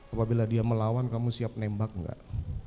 apabila dia melawan kamu siap nembak enggak